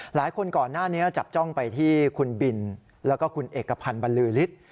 ก่อนหน้านี้จับจ้องไปที่คุณบินแล้วก็คุณเอกพันธ์บรรลือฤทธิ์